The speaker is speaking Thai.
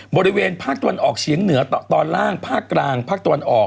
บริเวณภาคตะวันออกเฉียงเหนือตอนล่างภาคกลางภาคตะวันออก